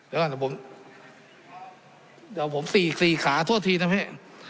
เดี๋ยวก่อนเดี๋ยวผมเดี๋ยวผมสี่อีกสี่อีกขาโทษทีนะแม่